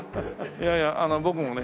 いやいや僕もね